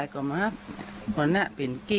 ก่านี่